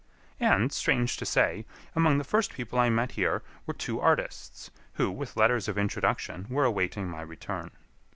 And, strange to say, among the first people I met here were two artists who, with letters of introduction, were awaiting my return.